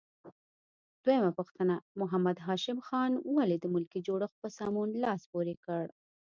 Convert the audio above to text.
دویمه پوښتنه: محمد هاشم خان ولې د ملکي جوړښت په سمون لاس پورې کړ؟